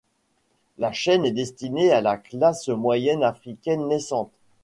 La chaîne est destinée à la classe moyenne africaine naissante.